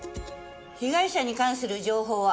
被害者に関する情報は？